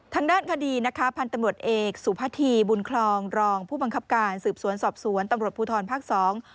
ทางด้านคดีนะคะพันธุ์ตำรวจเอกสุพธีบุญคลองรองผู้บังคับการสืบสวนสอบสวนตำรวจภูทรภาคสอง